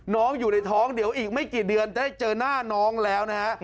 น้องอยู่ในท้องเดี๋ยวอีกไม่กี่เดือนได้เจอหน้าน้องแล้วนะฮะ